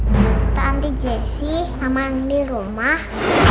tentang anti jessy sama yang dirumah